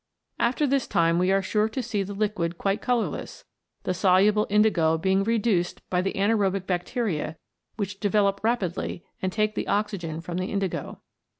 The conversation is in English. After this time we are sure to see the liquid quite colourless, the soluble indigo being reduced by the anaerobic bacteria which develop rapidly and take the oxygen from the indigo.